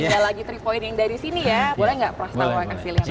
gak lagi tiga point yang dari sini ya boleh gak prastawa kasih lihat